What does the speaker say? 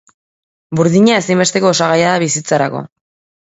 Burdina ezinbesteko osagaia da bizitzarako.